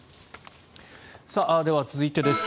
では、続いてです。